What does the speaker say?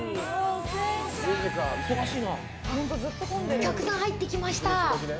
お客さん入ってきました。